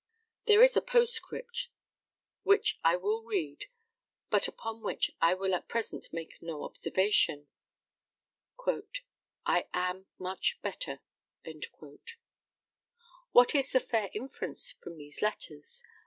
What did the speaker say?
There is a postscript, which I will read, but upon which I will at present make no observation "I am much better." What is the fair inference from these letters?